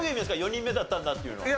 「４人目だったんだ」っていうのは。